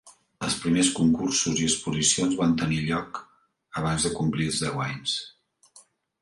Els seus primers concursos i exposicions van tenir lloc abans de complir els deu anys.